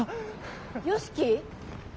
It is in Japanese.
良樹？